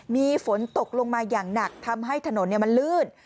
มีฝนตกลงมาอย่างหนักทำให้ถนนมันลื่น